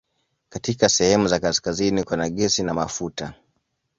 Katika sehemu za kaskazini kuna gesi na mafuta.